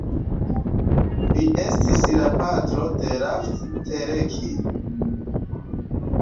Li estis la patro de Ralph Teleki.